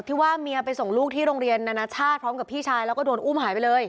ว่าเมียไปส่งลูกที่โรงเรียนนานาชาติพร้อมกับพี่ชายแล้วก็โดนอุ้มหายไปเลย